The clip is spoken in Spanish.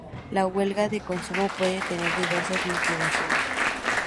La huelga de consumo puede tener diversas motivaciones.